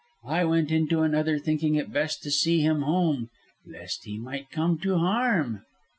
I went into another, thinking it best to see him home lest he might come to harm."